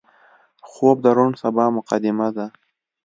خوب د روڼ سبا مقدمه ده